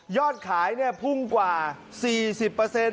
ยอดขายพุ่งกว่าสี่สิบเปอร์เซ็นต์